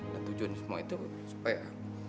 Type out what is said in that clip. dan tujuan semua itu supaya